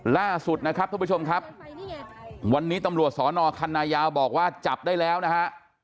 ล่าสุดนะครับทุกผู้ชมครับวันนี้ตำรวจสอนอคันนายาวบอกว่าจับได้แล้วนะฮะ